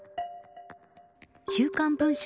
週刊文春